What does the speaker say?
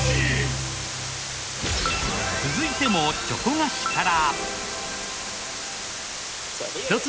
続いてもチョコ菓子から。